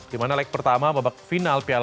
di mana leg pertama babak final piala